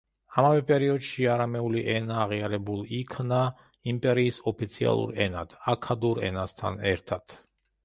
ამავე პერიოდში არამეული ენა აღიარებულ იქნა იმპერიის ოფიციალურ ენად, აქადურ ენასთან ერთად.